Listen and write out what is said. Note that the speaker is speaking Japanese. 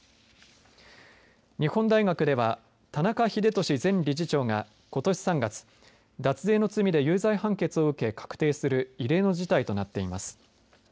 日本大学では田中英壽前理事長がことし３月脱税の罪で有罪判決を受け確定する異例の事態となっています。